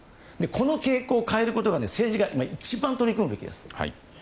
この傾向を変えることが政治家が一番取り組むべきです。